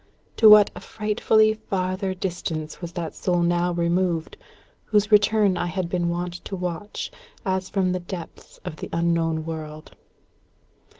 To what a frightfully farther distance was that soul now removed, whose return I had been wont to watch, as from the depths of the unknown world!